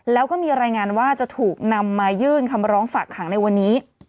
แล้วก็มีรายงานว่าจะถูกนำมายื่นคำร้องฝากขังในวันนี้